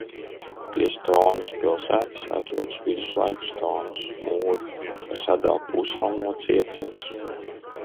Pie Stonas pilsētas atrodas viduslaiku Stonas mūri, kas atdala pussalu no cietzemes.